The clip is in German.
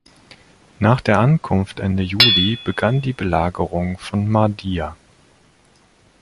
Nach der Ankunft Ende Juli begann die Belagerung von Mahdia.